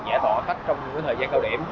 và giải thỏa khách trong những thời gian cao điểm